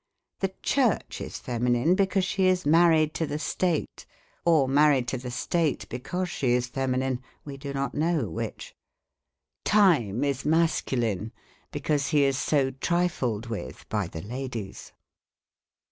The Church is feminine, because she is married to the state ; or married to the state because she is feminine — we do not know which. Time is mascu line, because he is so trifled with by the ladies.